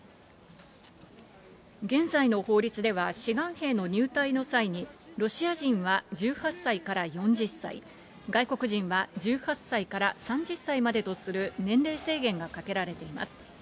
現在の法律では、志願兵の入隊の際に、ロシア人は１８歳から４０歳、外国人は１８歳から３０歳までとする年齢制限がかけられています。